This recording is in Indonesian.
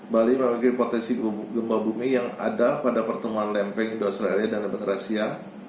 bali memiliki potensi gempa bumi yang ada pada pertemuan lempeng di australia dan lempeng rasia